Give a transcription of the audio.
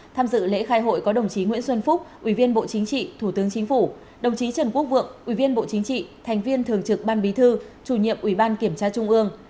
tham dự lễ khai hội có đồng chí nguyễn xuân phúc ủy viên bộ chính trị thủ tướng chính phủ đồng chí trần quốc vượng ủy viên bộ chính trị thành viên thường trực ban bí thư chủ nhiệm ủy ban kiểm tra trung ương